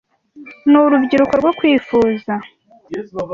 n'urubyiruko rwo kwifuza